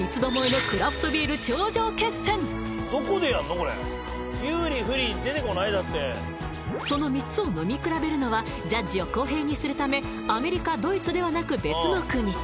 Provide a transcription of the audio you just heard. これその３つを飲みくらべるのはジャッジを公平にするためアメリカドイツではなく別の国